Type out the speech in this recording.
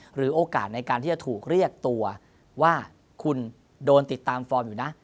หรือโอกาสในการที่จะถูกเรียกตัวว่าคุณโดนติดตามฟอร์มอยู่นะ